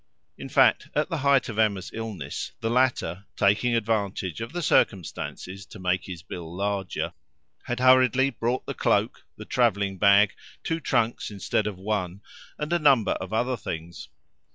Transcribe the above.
In fact, at the height of Emma's illness, the latter, taking advantage of the circumstances to make his bill larger, had hurriedly brought the cloak, the travelling bag, two trunks instead of one, and a number of other things.